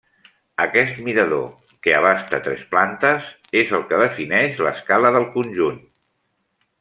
Aquest mirador, que abasta tres plantes, és el que defineix l'escala del conjunt.